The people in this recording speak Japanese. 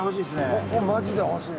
ここマジで欲しい。